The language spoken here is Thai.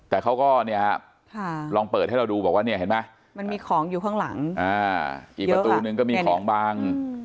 แต่เขาก็ลองเปิดให้เราดูมันมีของอยู่ข้างหลังอีกประตูหนึ่งก็มีของบัง